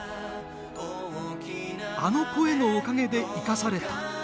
あの声のおかげで生かされた。